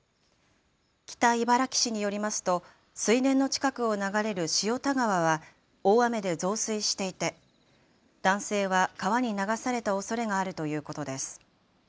北茨城市によりますと水田の近くを流れる塩田川は大雨で増水していて男性は川に流されたおそれがあるということです。